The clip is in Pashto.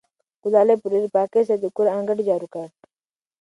ګلالۍ په ډېرې پاکۍ سره د کور انګړ جارو کړ.